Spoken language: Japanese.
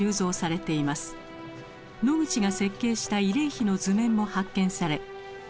ノグチが設計した慰霊碑の図面も発見され